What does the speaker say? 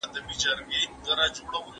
حضرت عایشه رضي الله عنها د دین پوهه درلوده.